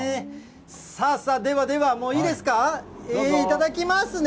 さあさあ、ではでは、もういいですか、頂きますね、